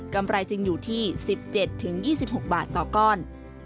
ไรจึงอยู่ที่๑๗๒๖บาทต่อก้อน